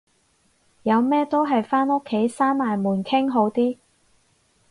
有咩都係返屋企閂埋門傾好啲